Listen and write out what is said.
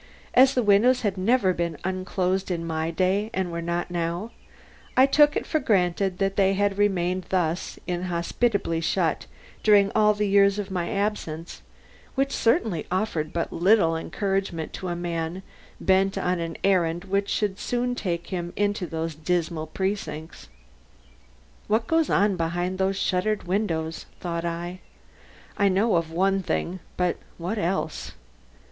As the windows had never been unclosed in my day and were not now, I took it for granted that they had remained thus inhospitably shut during all the years of my absence, which certainly offered but little encouragement to a man bent on an errand which would soon take him into those dismal precincts. "What goes on behind those shuttered windows?" thought I. "I know of one thing, but what else?"